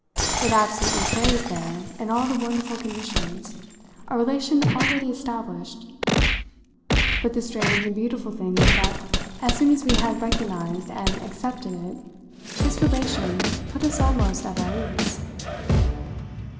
It absolutely phrased there, in all the wonderful conditions, a relation already established; but the strange and beautiful thing was that as soon as we had recognised and accepted it this relation put us almost at our ease.